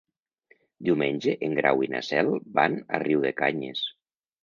Diumenge en Grau i na Cel van a Riudecanyes.